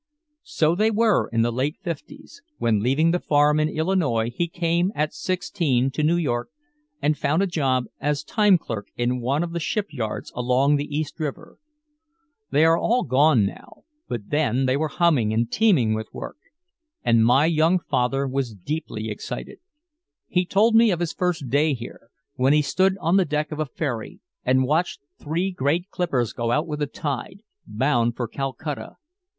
So they were in the late Fifties, when leaving the farm in Illinois he came at sixteen to New York and found a job as time clerk in one of the ship yards along the East River. They are all gone now, but then they were humming and teeming with work. And my young father was deeply excited. He told me of his first day here, when he stood on the deck of a ferry and watched three great clippers go out with the tide, bound for Calcutta.